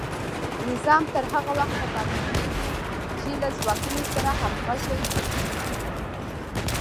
نظام تر هغه وخته پاتې کیږي چې له ځواکونو سره همغږی وي.